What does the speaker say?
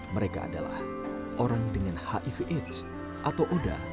mereka adalah orang dengan hiv aids atau oda